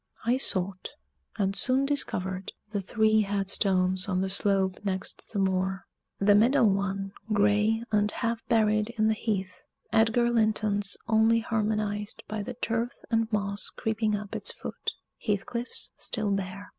I sought, and soon discovered, the three headstones on the slope next the moor the middle one, gray, and half buried in the heath Edgar Linton's only harmonized by the turf and moss creeping up its foot Heathcliff's still bare.